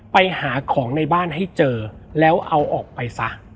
ไปหาของในบ้านให้เจอแล้วเอาออกไปซะ